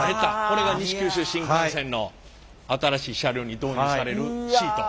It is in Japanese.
これが西九州新幹線の新しい車両に導入されるシート。